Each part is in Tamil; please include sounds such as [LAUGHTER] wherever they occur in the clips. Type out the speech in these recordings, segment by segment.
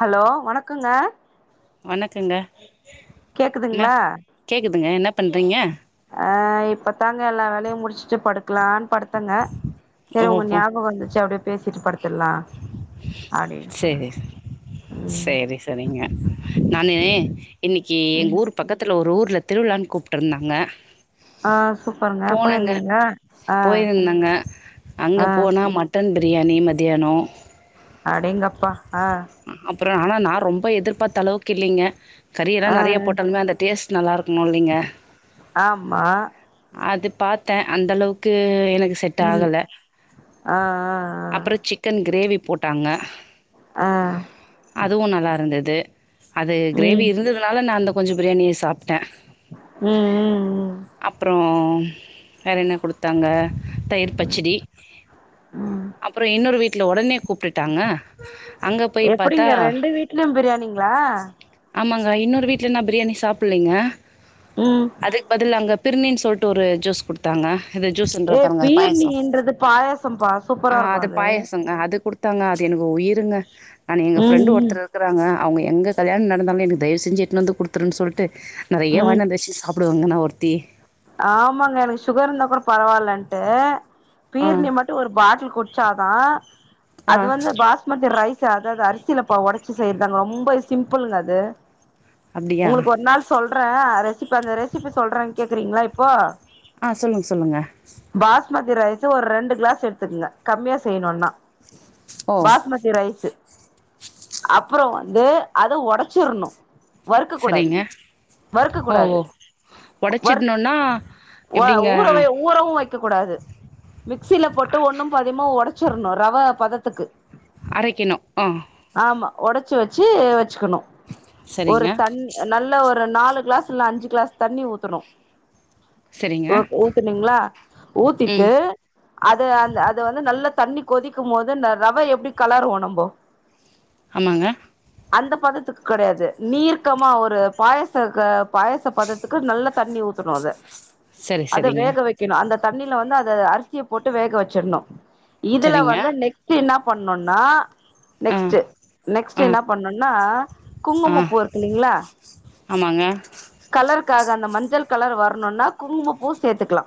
ஹலோ வணக்கொங்க வணக்கங்க என்ன கேக்குதுங்களா கேக்குதுங்க என்ன பண்றீங்க ஆ இப்ப தாங்க எல்லா வேலையு முடிஷ்ட்டு படுக்குலான் படுத் தங்க செரி உங்க ஓஹோ ஞாபகொ வந்துச்சி அப்டியே பேசிட்டு படுத் சேரி ம் சேரி செரிங்க நானு இன்னக்கி ம் எங்க ம் ஊரு பக்கத்துல ஒரு ஊர் ல திருவிழான் கூப்ட்டுருந்தாங்க ஆ சூப்பருங்க போனங்க போயிருந்தீங்க ஆ போயிருந்தங்க அங்க ஆ போனா மட்டன் பி ரியாணி மதியாணொ அடேங்கப்பா அ ப்றோ ஆனா நா ரொம்ப எதிர்பாத்தளவுக்கு இல்லெங்க கறியெல்லா ஆ நெறையா போட்டாலுமே அந்த டேஸ் டு நல்லா இருக்ணுல்லைங்க ஆம்மா அது பாத்த அந்தளவுக்கு எனக் கு செட் இல் ஆகல ஆ அப்றொ சிக்கன் க்ரேவி போட்டாங்க ஆ ஆ அதுவு நல்லா இருந்தது அது க்ரேவி ம் இருந்ததுனால நா அந்த பிரியாணி சாப்ட்டே ம் ம் ம் அப்றோ வேற என்ன குடுத்தாங்க தயிர் பச்சிடி ம் அப்றோ இன்னோரு வீட் ல ஒடனே கூப்ட்டுட்டாங்க அங்க போய் பாத்தா எப்படிங்க ரெண்டு வீட்லயு பிரியாணிங்ளா ஆமாங்க இன்னோரு வீட்ல இன்னு பிரியாணி சாப்பிட்லீங்க ம் அதுக் பதில் அங்க பிருணி சொல்ட்டு ஒரு ஜூஸ் குடுத்தாங்க இது ஜூஸ்ன்ற ஏ பாருங்க பாயாசம். பீர்ணீன்றது பாயசம்ப்பா சூப்பரா இருக்கு அது தாங்க அது எனக்கு உயிருங் ஆனா எங்க ம் ஃப்ரெண்டு் ஒருத்தர் இருக்கறாங்க அவங்க எங்க கல்யாண் நடந்தாலுமே எனக்கு தயவு செஞ்சு எடுத்துனு வந்து குடுத்துருன் சொல்ட்டு நெறைய ம் வாங்கினு வந்து வச்சு சாப்டுவாங்க நா ஒருத்தி ஆமாங்க எனக்கு சுகர் இருந்தா கூட பரவால் லன்ட்டு ஆ பீர்ணி மட்டு ஒரு பாட்டில் குட்ச்சா தா ஆ அது வந்து பாஸ்மதி ரைஸு அதாது அரி சிலப்போ ஒடச்சி செய்றாங்க ரொம்ப சிம்பிளுங்க அது அப்டியா உங்களுக்கு ஒரு நாள் சொல்றே ரெசிப்பி அந்த ரெசிப்பி சொல்றே கேக்கறீங்களா இப்போ ஆ சொல்லுங் சொல்லுங்க பாஸ்மதி ரைஸ் ஒரு ரெண்டு கிளாஸ் எடுத்துக்ங்க கம்மியா செய்யனுன்னா ஓ பாஸ்மதி ரைஸு அப்பறோ வந்து அத ஒடச்சிர்னு வறுக்க கூடாத் சரிங்க வறுக்க ஓ கூடாது ஓ வறுக் ஒடச்சிட்ணுன்னா வ எப்டிங்க ஊறவே ஊறவு வைக்க கூடாது மிக்ஸில போட்டு ஒன்னும் பாதியுமா ஒடச்சிர்னு ரவ பதத்துக்கு அரைக்கனு ஆ ஒடச்சி வச்சி வச்சுக்கனு ஒரு சரிங்க தண்ணி நல்ல ஒ ரு நாலு கிளாஸ் இல்ல அஞ்சு கிளாஸ் தண்ணி ஊத்தனு சரிங்க உ ஊத்துனீங்களா ஊத்திட்டு ம் அது அந்த அத வந்து நல்ல தண்ணி கொதிக்கும் போது ந ரவ எப்டி கலருவோ நம்போ ஆமாங்க அந்த பதத்துக் கடையாது நீர்க்கமா ஒரு பாயச துக்கு பாயச பதத்துக்கு நல்லா தண்ணி ஊத்தணு அத சரி அத சரிங்க வேக வெக்கெணு அந்த தண்ணில வந்து அத அரிசிய போட்டு வேக வெச்சிர்ணு இதுல சரிங்க வந்து நெக்ஸ்ட்டு என்னாப் பண்ணுன்னா ஆ நெக்ஸ்ட்டு நெக்ஸ்ட்டு ஆ என்னாப் பண்ணுன்னா ஆ குங்குமப் பூ இருக்குல்லிங்ளா ஆமாங்க கலருக்காக அந்த மஞ்சள் கலர் வர்ணுன்னா குங்குமப்பூவு சேத்துக்லா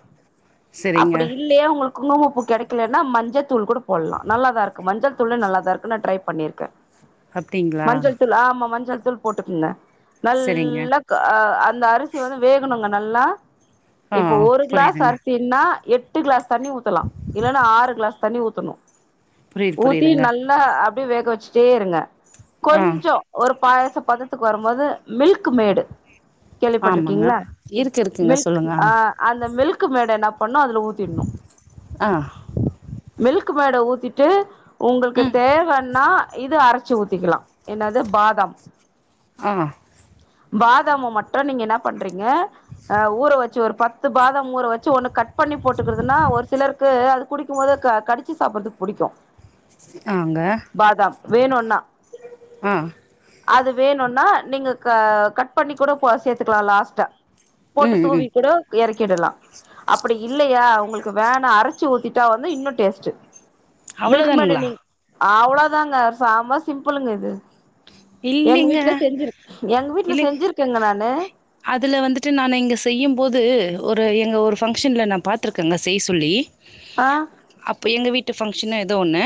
சரிங்க அப்டி இல்லயா உங்களுக் குங்குமப்பூ கெடைக்லேன்னா மஞ்சத்தூள் கூட போட்லா நல்லாதா இருக்கு மஞ்சள் தூளே நல்லாதா இருக்கு நா ட்ரை பண்ணிருக்க அப்டிங்களா மஞ்சள் தூள் ஆமா மஞ்சள் தூள் போட்டுக்குங்க சரிங்க நல்லா ஆ அந்த அரிசி வந்து வேகணுங்க நல்லா ஆ இப்போ ஒரு க்ளாஸ் புரியுதுங்க அரிசின்னா எட்டு க்ளாஸ் தண்ணி ஊத்தலா இல்லனா ஆறு க்ளாஸ் தண்ணி ஊத்தணு புரியுது ஊத்தி புரியுதுங்க நல்லா அ அப்டியே வேக வெச்சிட்டே இருங்க ஆ கொஞ்சொ ஒரு பாயச பதத்துக்கு வரும்போது மில்க் மேடு ஆமாங்க கேள்விப்பட்ருக்கீங்ளா இருக்கு இருக்குங்க மில்க் சொல்லுங்க ஆ அந்த மில்க் க்கு மேட என்னாப் பண்ணு அதுல ஊத்திட்ணு ஆ மில்க் மேட ஊத்திட்டு உங்களுக்கு ம் தேவன்னா இது அரச்சி ஊத்திக்கிலா என்னது பாதாம் அ பாத் தாம மட்டு நீங்க என்னா பண்றீங்க அ ஊற வச்சு ஒரு பத்து பாதாம் ஊற வச்சு ஒண்ணு கட் பண்ணி போட்டுக்குறதுன்னா ஒரு சிலருக்கு அது குடிக்கும் போது க கடிச்சி சாப்புர்றதுக்கு புடிக்கு ஆங்க பாதாம் வேணுன்னா அ அது வேணுன்னா நீங்க க கட் பண்ணி கூட போ சேத்துக்கலா லாஸ்ட்டா போட்டு ம் தூவி ம் கூட எறக் கிடலா அப்டி இல்லையா உங்களுக்கு வேணா அரச்சி ஊத்திட்டா வந்து இன்னு டேஸ்ட்டு அவ்வளோ தானுங்களா அவ்வளோதாங்க செம்ம சிம்பிளுங்க இது எங்க இல்லைங்க வீட்டல செஞ்சு எங்க வீட்ல இல்லை செஞ்சிரு அதுல வந்துட்டு நானு இங்க செய்யும் போது ஒரு எங்க ஒரு ஃபங்க்ஷன்ல நா பாத்துருக்கேங்க செய்ய சொல்லி ஆ அப்ப எங்க வீட் ட்டு ஃபங்க்ஷன் ஏதோ ஒன்னு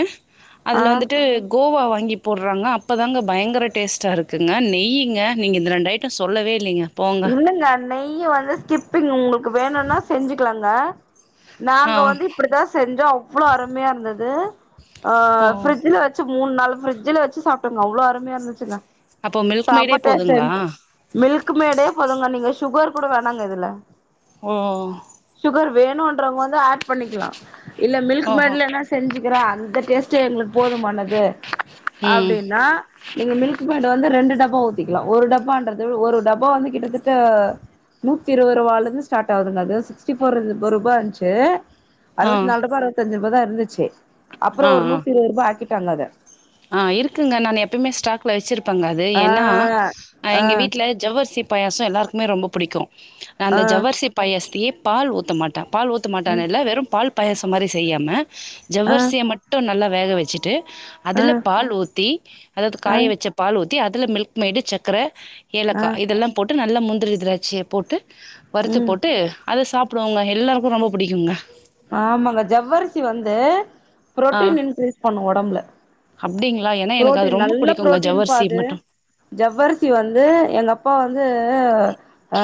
ஆ அதுல வந்துட்டு கோவா வாங்கி போடுறாங்க அப்போதாங்க பயங்கர டேஸ்ட்டா இருக்குங்க நெய்ங்க நீங்க இந்த ரெண்டு ஐட்டம் சொல்லவே இல்லைங்க போங்க இல்லங்க நெய்ய வந்து ஸ்கிப்பிங் உங்களுக் வேணுனா செஞ்சுக்கலாங்க ஆ நாங்க வந்து இப்படித்தா செஞ்சோ அவ்வளோ அருமையா இருந்தது ஆ ஓ ப்ரிட்ஜ்ல வச்சு மூணு நாள் ப்ரிட்ஜல வச்சு சாப்டோங்க அவ்ளோ அருமையா இருந்துச்சுங்க அப்போ மில்க் செம்ம மெய்டே டேஸ்ட்டா போதுங்களா இருஞ்சு மில்க் மேடு போதுங்க நீங்க சுகர் கூட வேணாங்க இதுல ஓ சுகர் வேணுன்றவங்க வந்து ஆட் பண்ணிக்கலா இல்ல மில்க் ஓஹோ மேட்லனா செஞ்சு கிற அந்த டேஸ்ட்டே எங்களுக்கு போதுமானது ம் அப்டின்னா நீங்க மில்க் மேட வந்து ரெண்டு டப்பா ஊத்திக்கலா ஒரு டப்பான்றது ஒரு டப்பா வந்து கிட்ட தட்ட நூத்தி இருபது ரூபால இருந்து ஸ்டார்ட் ஆகுதுங்க அது சிக்ஸ்டி ஃபோர் ரூபா இருந்துச்சு ஆ அறுவத்தி நாலு ரூபா அறுவத்தஞ்சு இவ்ளோ தா இருந்துச்சு அப்புறோ ஆ ஒரு ஆ நுத்தி இருவது ரூபா ஆக்கி டாங்க அத ஆ இருக்குங்க நான் எப்பயமே ஸ்டாக்ல வச்சிருப் பங்க அது ஆ ஏன்னா ஆ எங்க வீட்ல ஜவ்வரிசிப் பாயாசம் எல்லாருக்குமே ரொம்ப புடிக்கு நா ஆ அந்த ஜவ்வரிசி பாயஸ் தே பால் ஊத்தமாட்டா பால் ஊத்த மாட்டாங்க இதுல வெறும் பால் பாயசம் மாரி செய்யாம ஆ ஆ ஜவ்வரிசிய மட்டு நல்லா வேக வெச்சிட்டு ஆ அதுல பால் ஊத்தி அதாது ஆ காய வச்ச பால் ஊத் தி அதுல மில்க் மேடு சக்கர ஆ ஏலக்க இதெல்லாம் போட்டு நல்லா முந் ந்திரி திராட்சிய போட்டு வறுத்து ம் போட்டு அத சாப்டுவோங்க எல்லாருக்கு ரொம்ப பிடிக்குங்க ஆமாங்க ஜவ்வரிசி வந்து ஆ. புரோட்டீன் இன்கிரீஸ் பண்ணு ஒடம்புல அப்டிங்களா? ஏன்னா எனக்கு அது புரோட்டீன் ரொம்ப நல்ல புடிக்குங்க புரோட்டீன்பா ஜவ்வரிசி அது மட்டும். ஜவ்வரிசி வந்து எங்க அ போ வந்து அ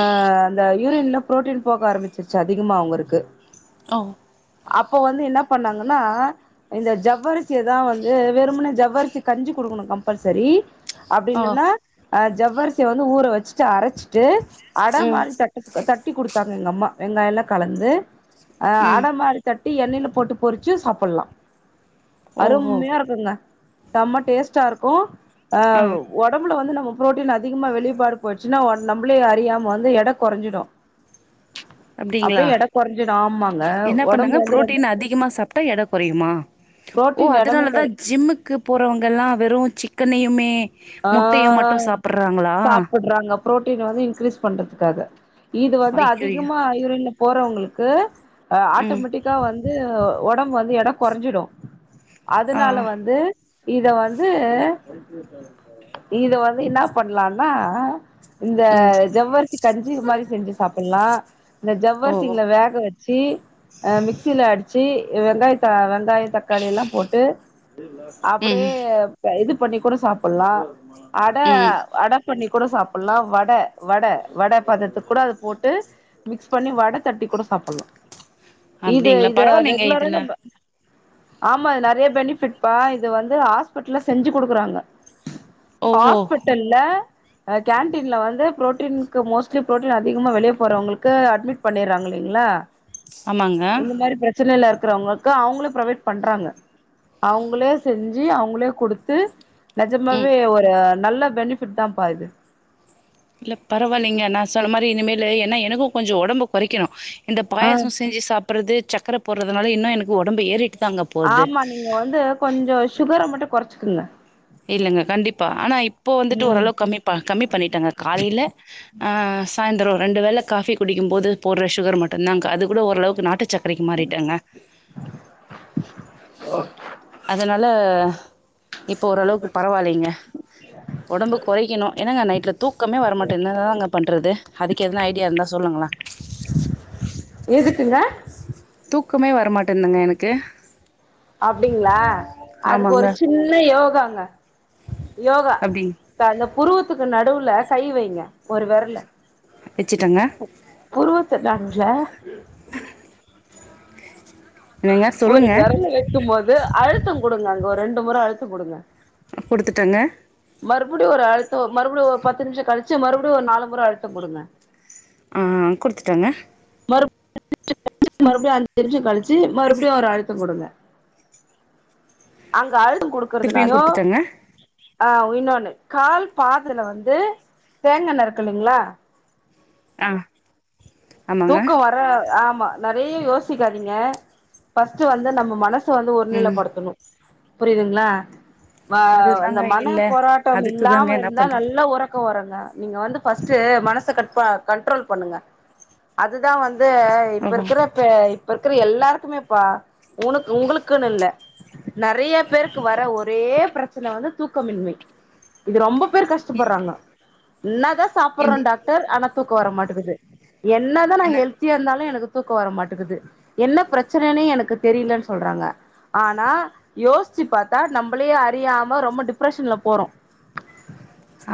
அந்த யூரின்ல பு்ரோட்டீன் போக ஆரம்பிச்சிருச்சு அதிகமா அவுங்கருக்கு ஓ அப்போ வந்து என்ன பண்ணாங்கன்னா இந்த ஜவ்வரிசியதா வந்து வெறுமுன்னே ஜவ்வரிசி கஞ்சு கொடுக்கணு கம்பல்சரி அப்டி ஓ! இல்லன்னா அ ஜவ்வரிசிய வந்து ஊரவச்சி சி அரச்சிட்டு அட ம் மாறி தட்ட சோக தட் ட்டி கொடுத்தாங்க எங்கம்மா வெங்காயோலா கலந்து ஆ ஆ ம் ந்த மாரி தட்டி எண்ணில போட்டு போரிச் சு சாப்பலா ஓஹோ அருமையா இருக்குங்க செம்ம டேஸ்டா இருக்கு ஆ ஒடம்புல வந்து நம்ம பு்ரோட்டீன் அதிகமா வெளியப்பாடு போச்சுன்னா ஒன் நம்மளே அறியாம வந்து எட குறஞ்சிடு அப்டிங்களா அப்படியே எட குறைஞ்சிடு ஆமாங்க என்ன ஒடம்பு பண்ணுங்க வந்து ரொம்ப ப்ரோட்டீன் அதிகமா சாப்ட்டா எட குறையுமா ஓ புரோட்டீன் எடமே அதனாலதா போய் ஜிம்முக்கு போறவங்க எல்லா வெறு சிக்கனையுமே ஆ முட்டையு மட்டு சாப்புட்றாங்களா சாப்புடுறாங்க பு்ரோட்டீன் வந்து இன்கிரீஸ் பண்றதுக்காக இது வந்து ஐய்யய்யோ அதிகமா இரல போறவங்களுக்கு ம் ஆட்டோமேட்டிக்கா வந்து ஒடம்பு வந்து எட கொரஞ்சிடு ஆ அதனால வந்து இத வந்து இத வந்து என்ன பண்லான்னா இந்த ம் ஜவ்வர்சி கஞ்சி மாரி செஞ்சு சாப்பலா இந்த ஓ ஓ ஜவ்வர்சிங்ல வேகவச் சு மிக்சில அடிச்சு வெங்காயத்த வெங்காயோ தக்காளிலா போட்டு ம் அப்டியே இது பண்ணி கூட சாப் பல்லா அட ம் அட பண்ணி கூட சாப்பல்ல வட வட வட பாதத்து கூட அது போட்டு மிக்ஸ் பண்ணி வட தட்டி கூட சாப்பல்ல இது அப்டிங்களா இது பரவாயில்லைங்க ரெகுலரா இதுல நம்ம ஆமா இது நிறைய பெனிஃபிட் பா இது வந்து ஹாஸ்பிட்ல்ல செஞ்சு குடுக்குறாங்க ஓஹோ ஹாஸ்பிட்டல்ல ஹ கேண்டடீன்ல வந்து புரோட்டீன்க்கு மோஸ்ட்லி புரோட்டீன் அதிகமா வெளிய போறவங்களுக்கு அட்மிட் பண்ணிறாங்க இல்லைங்ளா ஆமாங்க இந்த மாரி பிரச்சனைலரு க்றவங்களுக்க அவுங்களே ப்ரொவைட் பண்றாங்க அவுங்களே செஞ்சு அவுங்களே கொடுத்து ம் ஜம்மாவே ஒரு நல்ல பெனிஃபிட்தாப்பா இது இல்ல பரவாலைங்க நா சொன்ன மாரி இனிமேலு என்னா எனக்கு கொஞ்சோ ஒடம்பு கொறைக்கணு இந்த ஆ பாயசோ செஞ்சு சாப் ப்புறது சக்கர போட்றதுனால இன்னு எனக்கு ஒடம்பு ஏறி ஆமா நீங்க வந்து கொஞ்சோ சுகர மட்டு கொறச்சுக்குங்க இல்லங்க கண்டிப்பா ஆனா இப்போ வந்துட்டு ம் ஓரளவ்க் கம்மி ப கம்மி பண்ணிட்டங்க காலையில ஆ சாய்ந்ரொ ரெண்டு வேல காஃபி குடிக்கு போது போடுற சுகர் மட்டுதாக்க அது கூடஓளவுக் நாட்டு சக் கரைக்கு மாறிட்டங்க அதனால இப்போ ஓரளவுக்கு பரவாலைங்க ஒடம்பு குறைக்கணு ஏன்னங்க நைட்ல தூக்கமே வரமாட்ந்து என்னதாங்க பண்றது அதுக்கு எதன ஐடியா இருந்தா சொல்லுங்ளே எதுக்குங்க தூக்கமே வரமாட்டுதுங்க எனக்கு அப்டிங்ளா அதுக்கு ஆமாங்க ஒரு சின்ன யோகாங்க யோகா அப்படி ட அந்த புருவத்துக்கு ந டுவுல கை வைங்க ஒரு வெரல்ல வச்சுட்டேங்க புருவத்து நடுவுல என்னங்க ஒரு சொல்லுங்க விரல் வைக்கும் போது அழுத்த கொடுங்க ஒரு ரெண்டு முற அழுத்து கொடுங்க குடுத்துட்டங்க மறுபடியு ஒரு அழுத்த மறுபடியு ஒரு பத்து நிமிஷ கழிச்சு மறுபடியு ஒரு நாலு முறை அழுத்த கொடுங்க ஆ குடுத்துட்டங்க மறுப மறுபடியு அந்த தெரிஞ்ச கால வெ ச்சு மறுபடியு ஒரு அழுத்த குடுங்க அங்க ஆழுது திருப்பியு குடுத்துட்டாங்க ஆ இன்னோன்னு கால் பாதுல வந்து தேங்கெண்ண இருக்குல்லிங்ளா ஆஹ் தூக்கம் வர ஆம் நறைய யோசிக்காதீங்க ஃபர்ஸ்ட் வந்து நம்ம மனசு [UNINTELLIGIBLE] வந்து ஒரு ம் நிலைப்படுத்தணு புரியுதுங்களா ஆஹ் இந்த அதுதாங்க மன இல்ல போராட்டம் அதுக்கு தாங்க இல்லாம என்ன இருந்தா பண்றது நல்லா உறக்க வரு ல நீங்க வந்து ஃபர்ஸ்ட் மனச கட்ப கண்ட்ரோல் பண்ணுங்க அதுதான் வந்து து இ ஓ இப்ப இருக்கிற இப் இருக்கிற எல்லாருக்குமேப்ப உனக்கு உங்களுக்குன்னு இல்ல நறைய பேருக்கு வர ஒரே பிரச்சனை வந்து தூக்கமின்மை இது ரொம்ப பேர் கஷ்டப்படுறாங்க [UNINTELLIGIBLE] இத சாப்பிடடுறேன் டாக்டர் ஆன தூக் தூக்க வரமாட்டேங்கது என் என்ன தான் நான் ஹெல்தியா இருந்தாலும் எனக் தூக்க வர மாட்டேங்குது என்ன பிரச்சனைன்னே எனக்கு தெரியலன்னு சொல்றாங்க ஆனா யோசிச்சு பார்த்தா நம்மளே அறியாம ரொம்ப டிப்ரஷன்ல போறோம்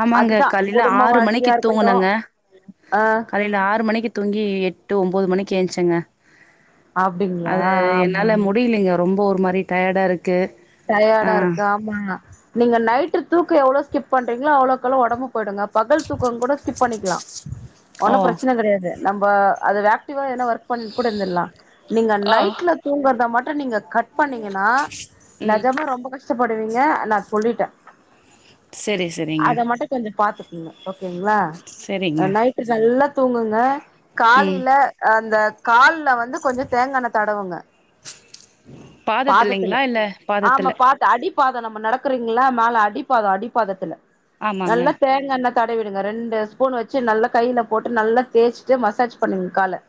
ஆமாங்க காலையில ஆறு மணிக்கு வாழ்க்கையா இருக்கட்டு தூங்குனங்க ஆ காலையில ஆறு மணிக்கு தூங்கி எட்டு ஒன்பது மணிக்கு ஏந்திச்சங்க அப்டிங்களா அது ஆமா என்னால முடியலைங்க ரொம்ப ஒரு மாரி டயாடா இருக் டயார்டா இருக்க ஆமா நீங்க நைட் தூக்கம் எவ்ளோ ஸ்கிப் பண்றீங்களோ அவ்ளோகு அவ்ளோ உடம்பு போயிடுங்க பகல் தூக்கம் கூட ஸ்கிப் பண்ணிக்கலாம் ஓ ஒண்ணும் பிரச்சனை கிடையாது நம்ம ப்பா அது ஆக்டிவா என்ன ஒர்க் பண்ண கூட இருந்திரலாம் நீங்க ஆ நைட்ல தூங்குறத மட்டும் நீங்க கட் பண்ணீங்கன்னா ம் நெஜமா ரொம்ப கஷ்டப் படுவிங்க நா சொல்லிட்டே சரி சரிங்க அத மட்டு கொஞ்சொ பாத்துக் இல்ல ஓக் கேங்ளா சரிங்க அ நைட்டு நல்லா தூங்குங்க ம் காலைல அந்த கால்ல வந்து கொஞ்சொ தேங்காண்ண தடவுங்க பாதத்துல பாதத்துல்லைங்ளா இல் ஆமா பாத்து அடிப் பாதோ நம்ம நடக்குறிங்ள மேல அடிப்பாதோ அடிப்பாதத்துல ஆமாங்க நல்லா தேங்காண்ண தடவிடுங்க ரெண்டு ஸ்பூன் வச்சு நல்லா கையில போட்டு நல்லா தேச்சிட்டு மசாஜ் பண்ணுங்க கால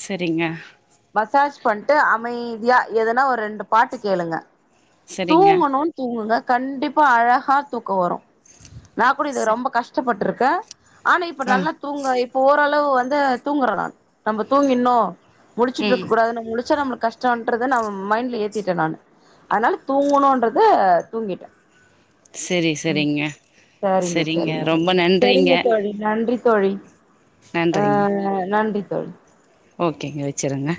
செரிங்க மசாஜ் பண்ட்டு அமைதியா எதுனா ஒரு ரெண்டு பாட்டுக் கேளுங்க சரிங்க தூங்கணூன் தூங்குங்க கண்டிப்பா அழகா தூக்கொ வரூ நாக்கூட இது ரொம்ப கஷ்டப்பட்ருக் க ஆனா இப்ப ஆ நல்லா தூங்ற இப்ப ஓரள் ளவு வந்து ‌தூங்குற நான் நம்ம தூங்கிற்னூ ம் முழிச்சிட்டுருக்க கூடாதுனு முழிச்சா நம்ளுக் கஷ்டோன்றத நா மைண்ட்ல ஏத்திட்டே நானு அதனால தூங்கணூன்றது தூங்கிட்டே செரி செரிங்க சரிங்க செரிங்க சரிங்க ரொம்ப சரிங்க நன்றிங்க தோழி நன்றி தோழி நன்றிங்க ஆஹ் நன்றி தோழி ஓகேங்க வெச்சிருங்க